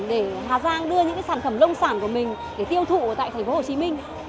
để hà giang đưa những sản phẩm lông sản của mình tiêu thụ tại tp hcm